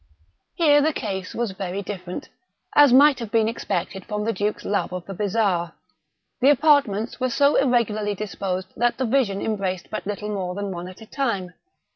Here the case was very different; as might have been expected from the duke's love of the bizarre. The apartments were so irregularly disposed that the vision embraced but little more than one at a time.